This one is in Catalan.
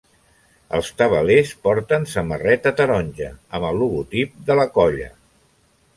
Els tabalers porten samarreta taronja, amb el logotip de la colla.